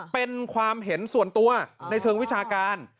เป็นความเห็นส่วนตัวในเชิงวิชาการ